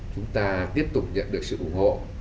chúng ta tiếp tục nhận được sự ủng hộ